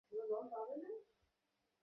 তাহলে কি সব আগের মত হবে?